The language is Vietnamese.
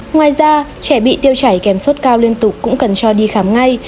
ngoài ra trẻ bị tiêu chảy kèm sốt cao liên tục cũng cần cho đi khám ngay